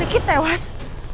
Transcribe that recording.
rik rik kita tewas